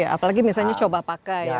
apalagi misalnya coba pakai